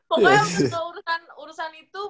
pokoknya pas ke urusan itu